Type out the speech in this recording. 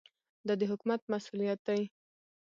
دا د حکومت مسوولیت دی.